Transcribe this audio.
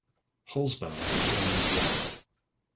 Holzbauer was born in Vienna.